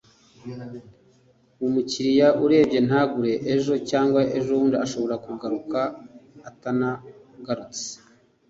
umukiriya arebye ntagure. ejo cyangwa ejobundi ashobora kugaruka. atanagarutse